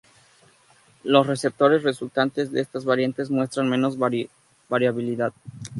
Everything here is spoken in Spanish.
Los receptores resultantes de estas variantes muestran menos variabilidad.